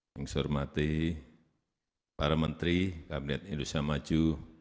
yang saya hormati para menteri kabinet indonesia maju